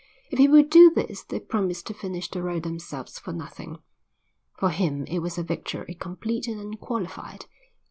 If he would do this they promised to finish the road themselves for nothing. For him it was a victory complete and unqualified.